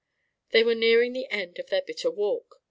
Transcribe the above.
They were nearing the end of their bitter walk.